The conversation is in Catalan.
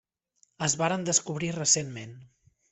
Es varen descobrir recentment.